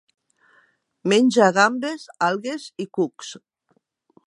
Menja gambes, algues i cucs.